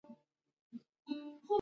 که څوک له توندلاریتوبه لاس واخلي.